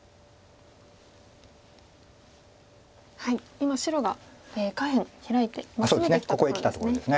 今白が下辺ヒラいてツメてきたところですね。